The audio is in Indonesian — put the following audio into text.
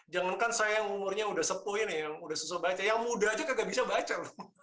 jangan kan saya yang umurnya udah sepuh ini yang udah susah baca yang muda aja nggak bisa baca